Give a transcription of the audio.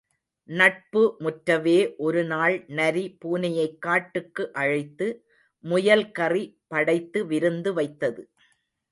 நட்பு முற்றவே ஒருநாள் நரி பூனையைக் காட்டுக்கு அழைத்து, முயல்கறி படைத்து விருந்து வைத்தது.